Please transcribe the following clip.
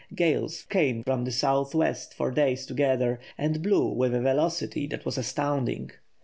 Gales came from the south west for days together and blew with a velocity that was astounding.